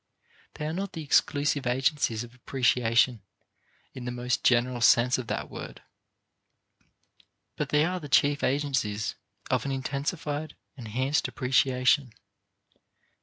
They are not the exclusive agencies of appreciation in the most general sense of that word; but they are the chief agencies of an intensified, enhanced appreciation.